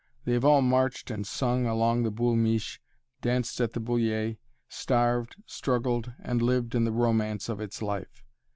They have all marched and sung along the "Boul' Miche"; danced at the "Bullier"; starved, struggled, and lived in the romance of its life.